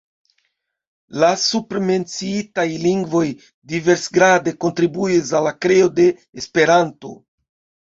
La supremenciitaj lingvoj diversgrade kontribuis al la kreo de Esperanto.